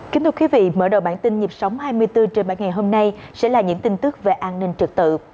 kính thưa quý vị mở đầu bản tin nhịp sống hai mươi bốn trên bảy ngày hôm nay sẽ là những tin tức về an ninh trực tự